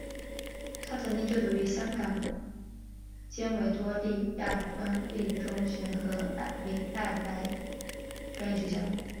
他曾经就读于香港邓肇坚维多利亚官立中学和明爱白英奇专业学校。